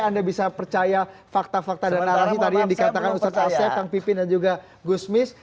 anda bisa percaya fakta fakta dan narasi tadi yang dikatakan ustadz asep kang pipin dan juga gusmis